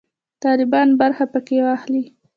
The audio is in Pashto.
طالبان برخه پکښې واخلي.